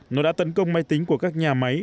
nó đã tấn công máy tính của các nhà máy